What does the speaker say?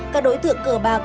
các đối tượng cờ bạc